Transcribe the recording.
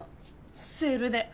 セールで。